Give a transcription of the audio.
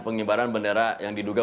pengibaran bendera yang diduga